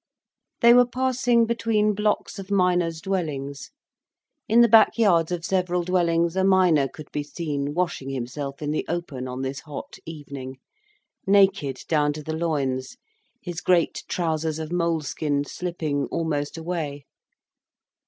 They were passing between blocks of miners' dwellings. In the back yards of several dwellings, a miner could be seen washing himself in the open on this hot evening, naked down to the loins, his great trousers of moleskin slipping almost away.